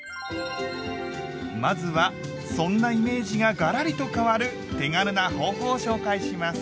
まずはそんなイメージがガラリと変わる手軽な方法を紹介します。